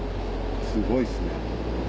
すごいっすね。